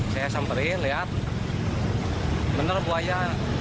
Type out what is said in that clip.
saya samperin lihat bener buaya